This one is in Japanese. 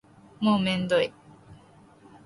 もうめんどい